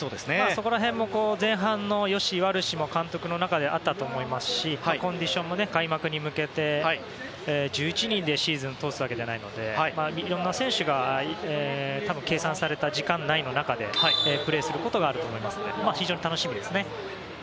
そこら辺も前半の良し悪しも監督の中であったと思いますしコンディションも開幕に向け１１人でシーズンを通すわけじゃないのでいろんな選手が計算された時間内でプレーすることがあると思いますので非常に楽しみですね。